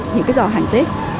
những cái giò hàng tết